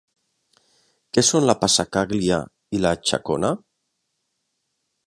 Què són la passacaglia i la xacona?